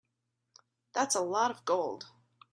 That's a lot of gold.